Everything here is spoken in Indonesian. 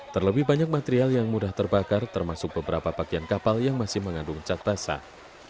terlebih banyak material yang mudah terbakar termasuk beberapa bagian kapal yang masih mengandung cak basah